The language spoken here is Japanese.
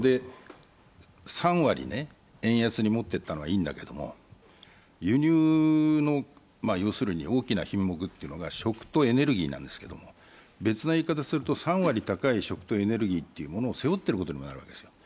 ３割円安に持っていったのはいいんだけれども、輸入の大きな品目というのが食とエネルギーなんですけれども、逆にいうと３割高い食とエネルギーを背負っていることにもなるわけです。